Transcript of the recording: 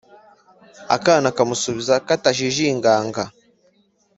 akana kamusubiza katajijinganga